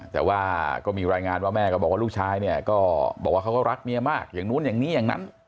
แต่ว่าก็มีรายงานว่าแม่ก็บอกว่าลูกชายเนี่ยก็บอกว่าเขาก็รักเมียมากอย่างนู้นอย่างนี้อย่างนั้น